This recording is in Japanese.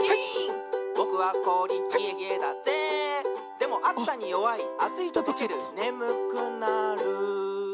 「でもあつさによわいあついととけるねむくなる」